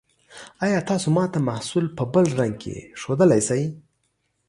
ایا تاسو ما ته محصول په بل رنګ کې ښودلی شئ؟